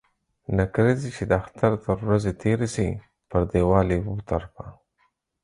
نکريزي چې د اختر تر ورځي تيري سي ، پر ديوال يې و ترپه.